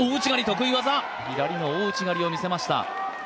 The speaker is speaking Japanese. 左の大内刈りを見せました得意技。